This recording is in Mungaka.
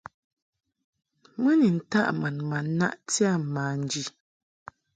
Mɨ ni ntaʼ mun ma naʼti a manji.